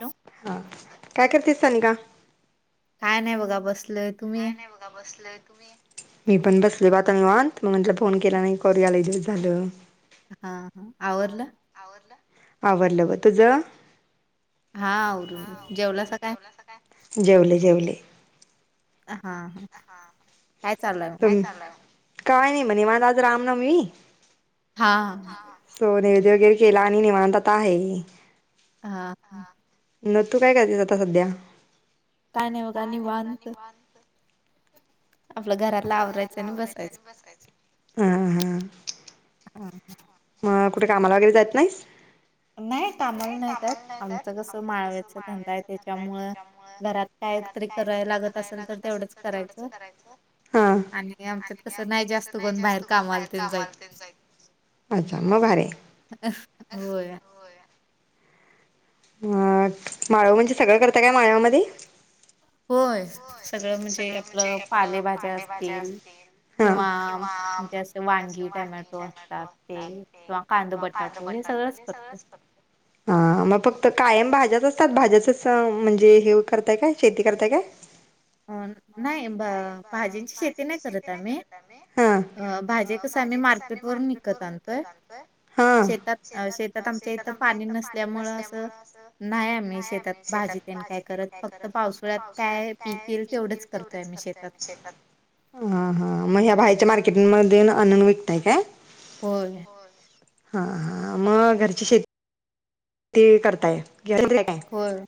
Hello हा काय करतेस सनिका काय नाही बघा बसलय तुम्ही? मी पण बसले वाट निवांत मग म्हटल फोन केला नाही करूया लय दिवस झालं हा हा आवरला आवरला आवरलं ब तुझ हा आवरुन जेवलाच जेवला सा का जेवले जेवले हा ह काय चाललंय म काय नाही म्हणे निवांत माझ आज राम नवमी हाहा सो नैवैद्य वगैरे केला आणि निवांत आता आहे हा ह न तू काय करतेस आता सध्या काय नाही ब गा निवांत आपलं घरात आपल घरातला आवरायच आणि बसायच ह ह हम् ह मग कुठे कामाला वगैरे जात नाहीस नाही कामाल नाही जात आमचं कसं माळव्याचा धंदा आहे त्याच्यामुळ घरात घरात काहीतरी कराय लागत असेल तर तेवढंच करायचं ह आणि आमच्यात कसं नाही जास्त कोणी बाहेर कामाला तर जाईल मग भारी आहे अ होय अ माळव म्हणजे सगळं करत काय माळव्या मध्ये होय. सगळं म्हणजे आपल पालेभाज्या असतील किंवा म्हणजे अ वांगी, टमॅटो असतात ते किंवा कांद बटाटो हे सगळंच करतो. हा मग फक्त कायम भाज्याच असतात भाज्याच म्हणजे हे करताय काय शेती करताय काय. अह नाही भ भाजींची शेती नाही करत आम्ही अह भाजी कस आम्ही मार्के वरून विकत आणतोय. शेतात अह शेतात आमच्या इथं पाणी नसल्यामुळ असं नाही आम्ही शेतात भाजी तेन काय करत फक्त पावसाळ्यात काय पीकर पीक येईल तेवढंच करतय आम्ही येतात. हा हा मग या बाहेरच्या मार्केट मधून आनुन विकताय काय. होय. हा हा मग घरची शेती ते करताय केलत काय होय.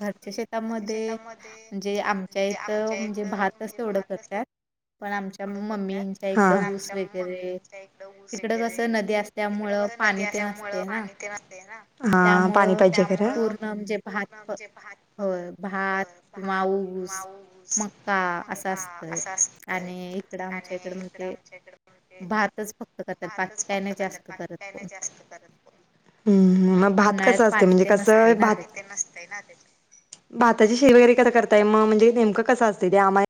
घरच्या शेतामध्ये म्हणजे आमच्या इथं म्हणजे भातच तेवढं करतात. पण आमच्या मम्मींच्या इकडं ऊस वगैरे तिकडं कसं नदी असल्यामुळं पाणी तेन असते ना त्यामुळं पूर्ण म्हणजे भात होय भात मा ऊस, मक्का अस असतय आणि आणि इकडं आमच्या इकड म्हणजे भातच फक्त करतात बाकी काही नाही जास्त करत. हम्म हम्म मग भात कस असते म्हणजे कसं भात कारण की नसतय ना ते. भाताची शेती वगैरे करताय मग म्हणजे नेमकं कस असते ते आम्हा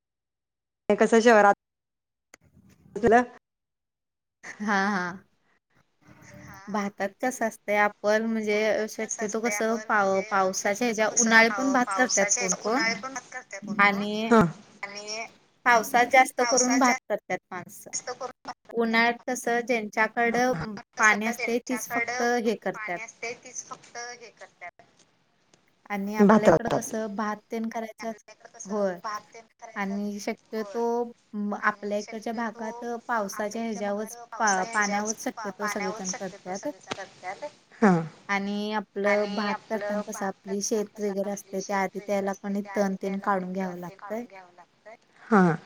ते कसं शहरात म्हटल हा हा. हा. भातात कसं असतंय आप पण म्हणजे शक्यतो कसं पाव पावसाच्या ह्याच्या उन्हाळे पण भात करतात कोण कोण. करत्या कोण कोण, हा. आणि पावसात जास्त करून भात करत्यात माणसं [inaudible] उन्हाळ्या कसं, ज्यांच्याकड पाणी असते तीच फक्त हे करतात. ते तीच फक्त हे करतात आणि आपल्याकडं कसं भात तेन करायचं होय, आणि शक्यतो आपल्या इकडच्या भागात पावसाच्या ह्याच्या वर, पा पाण्यावर पा पाण्यावर शक्यतो सगळे जण करतात, हा आणि आपलं भात करताना कसं आपली शेत वगैरे असते, त्या आधी त्या लोकांनी तन तीन काढून घ्यावं लागतय. [unintelligible] हा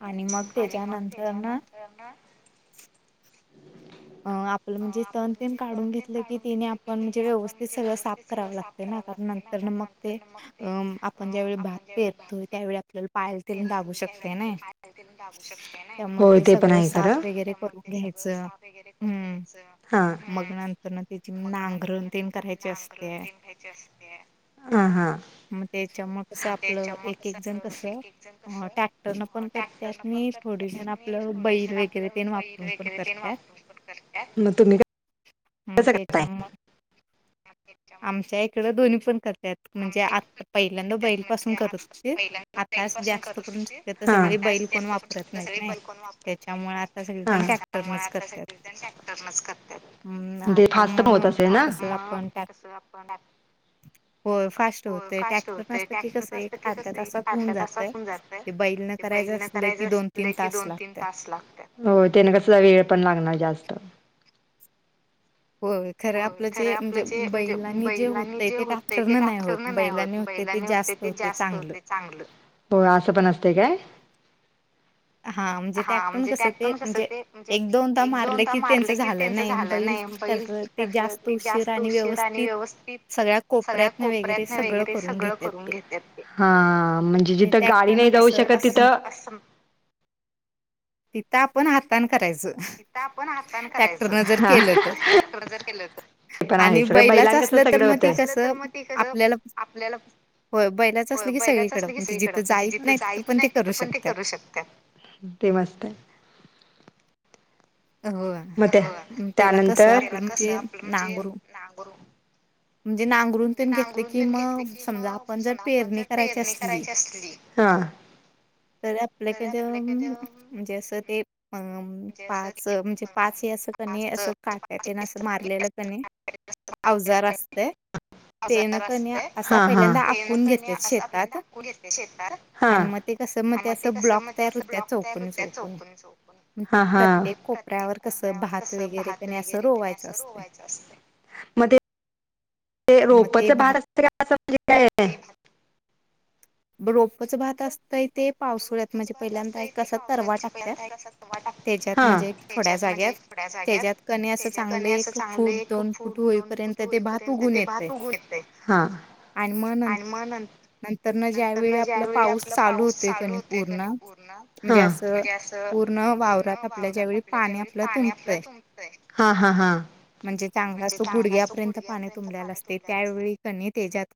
आणि मग आणि मग, त्याच्यानंतर ना अह आपलं म्हणजे तण तीन काढून घेतलं की तिने आपण म्हणजे व्यवस्थित सगळं साफ करावं लागत ते राहतात नंतर मग ते अ आपण ज्यावेळी भात पेरतो त्यावेळी आपल्याला पायाला त्यांनी दाबु शकते ना हे. त्यांनी दाबू शकते ना हे. होय, ते पण आहे खरं. त्यामुळे ते सगळ साफ वगैरे मग घ्यायचं हा मग नंतर ना त्याचे नागरण ते घ्यायचे असत्या. हा हा, त्याच्यावर मग सगळं एकेक जण कसे. अ टॅक्टर न पण करते थोडसं आपलं बैल वगैरे पण वापरू पण करत्यात मग तुम्ही? मग त्याच्या मग आमच्या इकडं दोन्ही पण करत्यात. म्हणजे आत पहिल्यांदा बैलपासून करत होती आता जास्त करून. तर सगळी बैल कोण वापरत नाहीत नाही, त्याच्यामुळे आता सगळेजण ट्रॅक्टरनच करत्यात. ते फास्ट पण होत असेल ना? हो, फास्ट होतय टॅक्टर असलं की, कस एक अर्धा तासात होऊन जातय. ते बैल न करायचं असले की, दोन तीन तास लागतात. हो, तेने कस वेळ पण लागणार जास्त. होय. खरं आपलं जे म्हणजे बैलांनी जे होतय ते ट्रॅक्टरन नाही होत, बैलांनी होतेय ते जास्त. ते जास्त होतंय चांगलं होय असं पण असते काय? हा, म्हणजे ट्रॅक्टर न कस ते म्हणजे एक दोनदा मारले की, त्यांच झालं नाही. बैल. ते जास्त उशीर आणि व्यवस्थित सगळ्या कोपऱ्यातन वगैरे सगळं करून घेत्यात. हा, म्हणजे जिथं गाडी नाही जाऊ शकत तिथं. तिथं आपण हातान करायच,. तिथ आपण हातान करायचं, [unintelligible] ते पण आहे, सगळ बैलांन करता सगळं होतय. होय बैलाचं असलं की सगळीकडं म्हणजे जिथं जाईत नाही तिथं पण ते करू शकतात. ते वाचताय. मग ते, त्यानंतर. म्हणजे नांगरून पण घेतले कि, मग ना आपण जर पेरणी करायची असली. हा, तर आपल्याकडे म्हणजे असं ते अ''--'' पाच म्हणजे पाच हे कनी, असं काट्या ए ना असं मारलेलं कणी नाय. अवजार असतेय. आजार असते हा हा, तेन कणी असं आपल्या दाखवून घेते शेतार. हा, मग ते कस मग त्याच ब्लॉक तयार होत्याय चोकोनी चचौकोन. हा हा, प्रत्येक कोपऱ्यावर कस भात वगैरे असं रोवायचं. असते मग ते. ते रोपच असत असं काय [inaudible] ब रोपच भात असतं. इथे पावसाळ्यात म्हणजे पहिल्यांदा एक तरवा टाकत त्याच्यात म्हणजे थोड्या जाग्यात. त्याच्यात कनाय असं चांगलं एक फूट दोन फूट होईपर्यंत ते भात फुगुन येते. हा, आणि मग न नंतर. नंतर न ज्यावेळी आपला पाऊस चालू होतं. ते कधी पूर्ण म्हनजे असं आपल्या वावरात ज्यावेळी पाणी आपलं तुम ''--'' असं हाय हा हा, म्हणजे चांगला असो गुडग्यापर्यंत पाणी तुंबलेला असते त्यावेळी क नाय.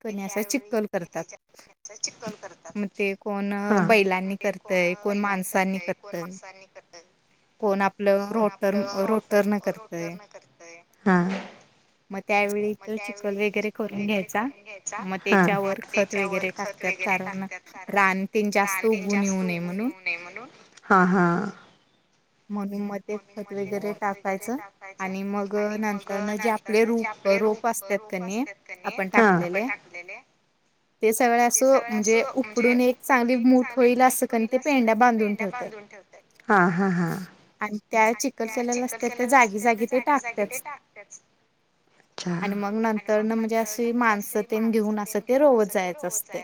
ते त्यावेळी [inaudible] चिखल करतात. मग ते कोण बैलांनी करतय कोण माणसांनी करतंय. कोण आपलं? रोटर रोटर न करतंय. मग त्यावेळी तो चिक्कल वगैरे करून घ्यायचा, मग त्येच्यावर खत वगैरे टाक त्यात, कारण रानतेन जास्त उगून येऊ नये म्हणून हा हा. म्हणून [unintelligible] ते खत वगैरे टाकायचं आणि मग नंतर जे आपले रूप रोप असत्यात कनी आपण टाकलेले ते सगळं असं म्हणजे उफडून, एक चांगली मूठ होईल, अस कणे ते पेंड्या बांधून ठेवतात. हा हा हा. आणि त्या चिखल केलेल्या असत्या, त्या जागी जागी ते टाकात्यात. आणि मग नंतर न म्हणजे अशी माणस तेन घेऊन असं ते रोवत जायचं असतय.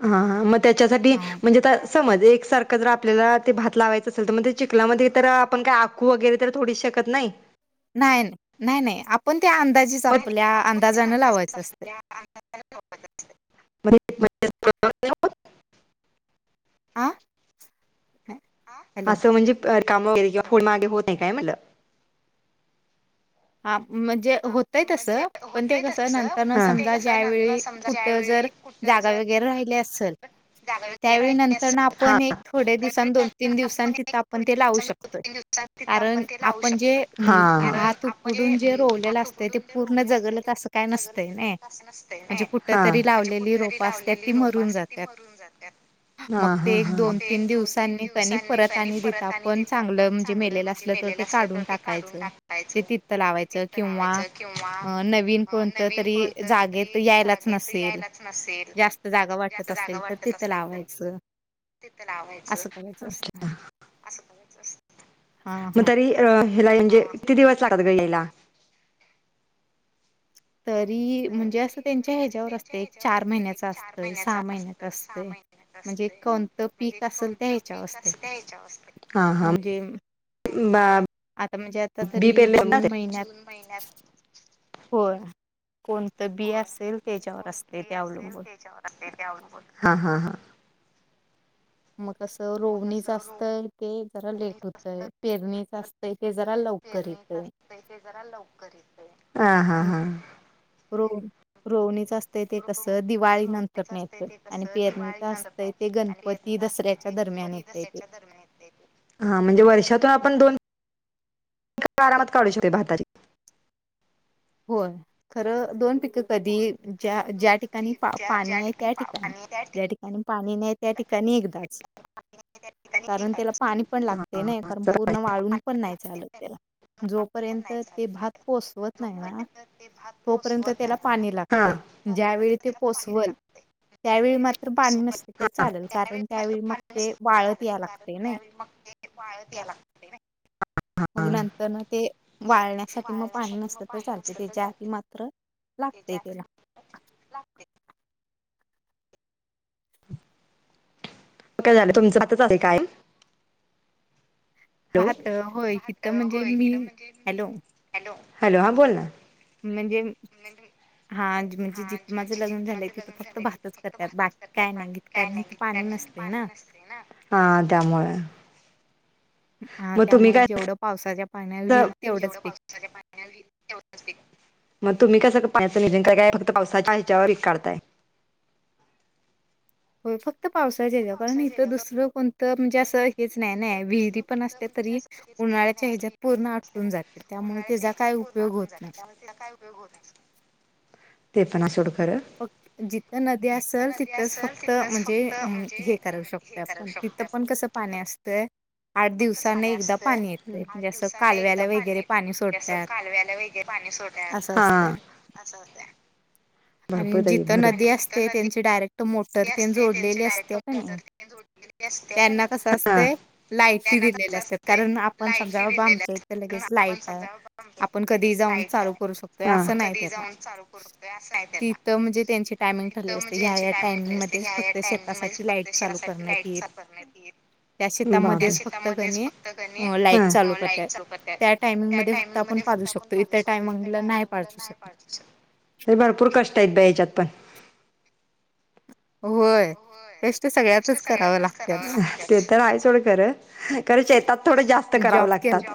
हा हा, मग त्याच्यासाठी म्हणजे समज, एकसारखं जर आपल्याला ते भात लावायचं असेल, तर मग ते चीखलामध्ये तर आपण काय आखू वगैरे तर थोडीच शकत नाही. नाही नाही नाही नाही, आपण त्या अंदाजीच आपल्या अंदाजानं लावायचं असतय. म्हण [inaudible] असं म्हणजे घर काम वगैरे किंवा फ मागे होत नाही काय म्हनलं. हा म्हणजे होतय तसं पण. ते कसं नंतर समजा, ज्यावेेळी कुठ जर जागा वगैरे राहिले असल त्यावेळी नंतर ना, आपण एक थोड्या दिवसां दोन, तीन दिवसां तिथं आपण ते लावू तन शकतो. दिवसां तिथं आपण ते लावू शकतोय, कारण आपण भात उपटून, ते रोवले असते. ते जगलच अस नसते ना, म्हणजे कुठं तरी लावल [inaudible] [unintelligible] रोप असत्यात ती मरून जात्यात. मग ते एक, दोन, तीन दिवसांनी त्यांनी परत आणी देतात, पण चांगलं ते मेलेल असलं तर, ते काढून टाककायचं. ते तिततं लावायचं किंवा नवीन कोणत्या तरी जागेत यायला नसेल, जास्त जागा वाटत असेल तर तिथं लावायच. [unintelligible] मग तरी अं हेला म्हणजे किती दिवस लागतात ग यायला? तरी म्हणजे असं त्यांच्या ह्येच्यावर असतय. एक चार महिन्याच असतंय, सहा महिन्याच असतय. म्हणजे कोणतं पीक असेल? त्या ह्याच्यावर असतंय म्हणजे बा आता म्हणजे, आता तरी जून महिन्यात, होय. कोणतं बी असेल? त्येच्यावर असतय ते अवलंबून. हा हा हा. मग कसं रोवणीच असत ते जरा लेट होतय, पेरणीच असत य ते जरा लवकर येतय. हा हा हा. रो रोवणीच अस तय ते कसं दिवाळी नंतर न येतय, आणि पेरणीच असतंय ते गणपती, दसऱ्याच्या दरम्यान येत दसऱ्याच्या दरम्यान हा म्हणजे वर्षातून आपण दोन पिकं आरामात काढू शकतोय भाताची. होय, खरं दोन पिक कधी ज्या ज्या ठिकाणी पाणी आहे त्या ठिकाणी [inaudible] आणि पाणी नाही त्या ठिकाणी एकदाच कारण त्याला पाणी पण लागतय नय कारण पूर्ण वाळून पण नाही चालंत त्याला जोपर्यंत ते भात पोसवत नाही ना तोपर्यंत त्याला पाणी लागतय ज्यावेळी ते पोसवल त्यावेळी मात्र पाणी नसल तर चालेल कारण त्यावेळी मग ते वाळत यायला लागतय नय वाळत यायला लागतय मग नंतर न ते वाळण्यासाठी म पाणी नसतं तर चालतय त्याच्या आधी मात्र लागतय त्याला काय झालं तुमच आत्ताच आलंय काय? भात होय तीथ म्हणजे मी हॅलो म्हणजे हा म्हणजे जिथं माझं लग्न झालंय तिथं फक्त भातच करत्यात बाकी काय नाही. कारण तिथं पाणी नसतय ना नसतय ना. हा त्यामुळ हा त्यामुळ जेवढं पावसाच्या [inaudible] जेवढं पावसा च्या पाण्यावर इल तेवढच म तुम्ही कसं बाहेरच घेताय काय? फक्त पावसाच्या पाण्यावर पिक काढताय होय फक्त पावसाच्या याच्यावर कारण इथं दुसरं कोण त म्हणजे असं हेच नाही नय विहिरी पण असल्या तरी उन्हाळ्याच्या हच्यायात पूर्ण आटळून जात्यात. त्यामुळ त्याचा काय उपयोग होत नाही. त्याचा काय उपयोग होत नाय सोड ते पण हाय सोड खरं फक्त जिथं नदी असल तिथच फक्त म्हणजे हे करू शकतोय आपण तिथ पण तिथं पण कसं पाणी असतय तिथं पण कसं पाणी असतंय. आठ दिवसांन एकदा पाणी येतय म्हणजे अस कालव्याला वगैरे पाणी सोडत [inaudible] सोडत्यात हा अस होतय भरपूर तरी भरपूर. आणि इतक नदी नदी असते त्यांची डायरेक्ट जोडलेली [inaudible] असत्या कनय त्यांना कस असतय लाईटी दिलेल्या असत्यात. आता आपण समजा आलो लगेच लाईट हाय आपण कधीही जाऊन चालू करू शकतोय असं हाय तिथं म्हणजे त्यांची टायमिंग ठरली असत्या ह्या ह्या टायमिंगला म तेच फक्त शेतासाठी लाईट चालू करण्यात येत त्या शेता मध्येच फक्त कनय लाईट चालू करत्यात त्या टाइमिंग मध्ये फक्त आपण पाजू शकतोय. इतर टेमिंगला नाही पाजवू शकत तर भरपूर कष्ट आहेत बाई ह्याच्यात पण होय. होय. कष्ट सगळ्यातच कराव लागत्यात. ते तर आहेस सोड खरं कारण शेतात थोड जास्त जास्त करावं लागतात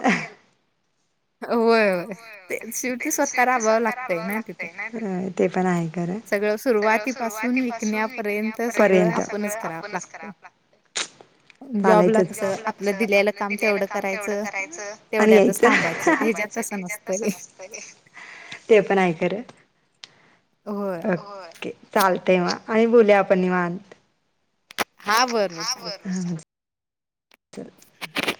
होय होय ते शेवटी स्वतः राबावं लागतय नाय तिथं होय ते पण हाय खरं सगळं सुरुवाती पासून विकण्या पर्यंत सगळं आपणच कराव लागतय. चालायचंच. जॉबला कस आपलं दिलेलं काम तेवढं करायच आणि यायचं. सगळी जण तसा नसतय [unintelligible] ते पण आहे खर ओके चालतंय. ठेवा आणि बोलूया आपण निवांत. हा बरं बर चालतंय ठेवतो.